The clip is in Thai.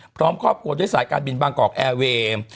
พร้อมครอบครัวด้วยสายการบินบางกอกแอร์เวย์